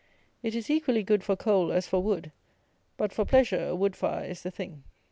It is equally good for coal as for wood; but, for pleasure, a wood fire is the thing.